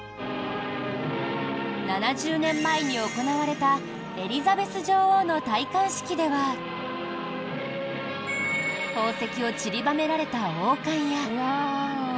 ７０年前に行われたエリザベス女王の戴冠式では宝石を散りばめられた王冠や。